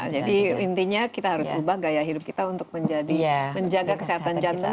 jadi intinya kita harus ubah gaya hidup kita untuk menjadi menjaga kesehatan jantung